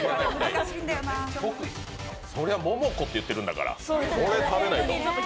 そりゃモモコって言ってるんだから、これは食べないと。